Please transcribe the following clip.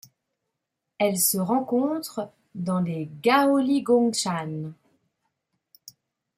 Elles se rencontrent dans les Gaoligongshan.